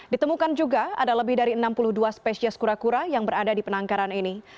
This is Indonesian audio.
ditemukan juga ada lebih dari enam puluh dua spesies kura kura yang berada di penangkaran ini